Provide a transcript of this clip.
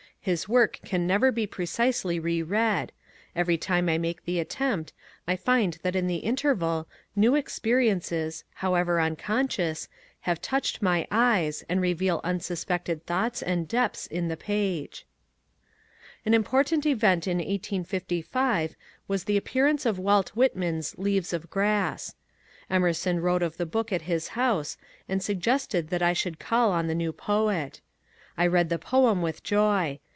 His work can never be precisely re read ; every time I make the attempt I find that in the interval new experiences, however uncon scious, have touched my eyes and reveal unsuspected thoughts and depths in the page. An important event in 1855 was the appearance of Walt Whitman's ^^ Leaves of Grass." Emerson spoke of the book at his house, and suggested that I should call on the new poet I read the poem with joy.